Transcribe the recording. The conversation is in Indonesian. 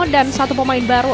dan satu pemain baru